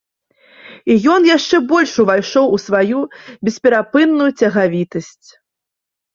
І ён яшчэ больш увайшоў у сваю бесперапынную цягавітасць.